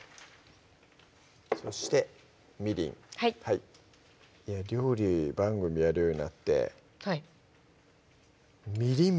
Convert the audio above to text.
そしてみりんはい料理番組やるようになってみりん